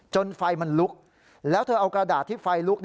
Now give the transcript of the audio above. ไฟมันลุกแล้วเธอเอากระดาษที่ไฟลุก